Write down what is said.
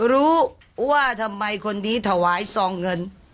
รู้ว่าทำไมคนนี้ถวายซองเงิน